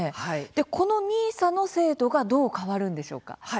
このＮＩＳＡの制度がどう変わるんでしょうか？